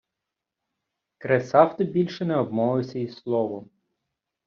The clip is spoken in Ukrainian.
Кресафт більше не обмовився й словом.